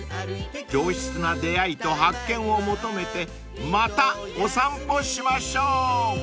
［上質な出合いと発見を求めてまたお散歩しましょう］